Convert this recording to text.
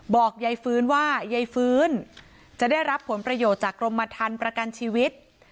บอกยายฟื้นว่ายายฟื้นจะได้รับผลประโยชน์จากกรมทันประกันชีวิต